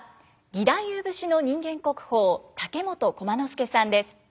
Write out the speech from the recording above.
義太夫節の人間国宝竹本駒之助さんです。